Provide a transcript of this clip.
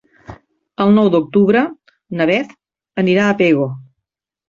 El nou d'octubre na Beth anirà a Pego.